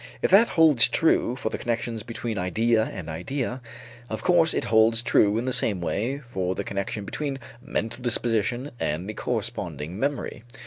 If that holds true for the connections between idea and idea, of course it holds true in the same way for the connection between mental disposition and the corresponding memory.